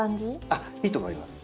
あっいいと思います。